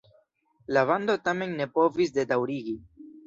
La bando tamen ne povis ne daŭrigi.